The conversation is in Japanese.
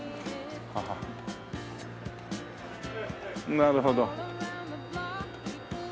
なるほど。